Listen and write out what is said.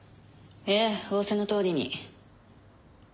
ええ仰せのとおりに。